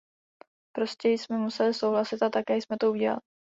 Prostě jsme museli souhlasit a také jsme to udělali.